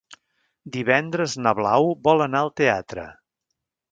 Divendres na Blau vol anar al teatre.